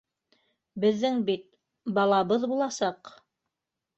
Беҙҙең бит... балабыҙ буласаҡ...